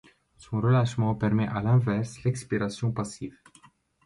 Son relâchement permet à l'inverse l'expiration passive.